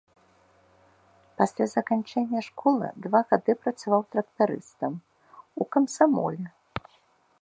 Пасля заканчэння школы два гады працаваў трактарыстам, у камсамоле.